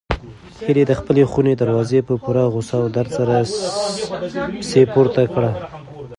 هیلې د خپلې خونې دروازه په پوره غوسه او درد سره پسې پورته کړه.